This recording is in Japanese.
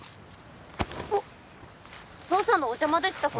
おっ捜査のお邪魔でしたか？